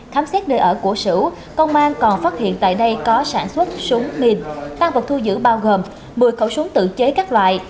khám xét nơi ở của sửu công an còn phát hiện tại đây có sản xuất súng mịn tăng vật thu giữ bao gồm một mươi khẩu súng tự chế các loại